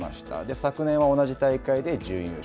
昨年は同じ大会で準優勝。